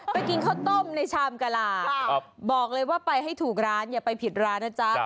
กินข้าวต้มในชามกะลาบอกเลยว่าไปให้ถูกร้านอย่าไปผิดร้านนะจ๊ะ